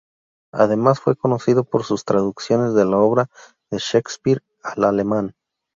Además fue conocido por sus traducciones de la obra de Shakespeare al alemán.